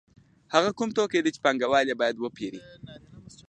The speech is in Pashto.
هغه کوم توکي دي چې پانګوال یې باید وپېري